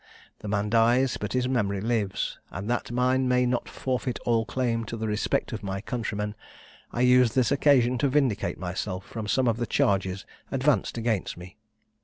The man dies, but his memory lives; and that mine may not forfeit all claim to the respect of my countrymen, I use this occasion to vindicate myself from some of the charges advanced against me.